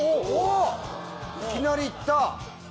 いきなり行った！